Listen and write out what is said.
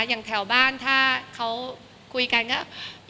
แถวบ้านถ้าเขาคุยกันก็